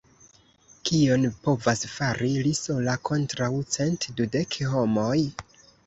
Kion povas fari li sola kontraŭ cent dudek homoj?